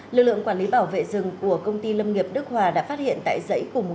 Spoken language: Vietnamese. lực lượng quản lý bảo vệ rừng của công ty lâm nghiệp đức hòa đã phát hiện tại dãy của một người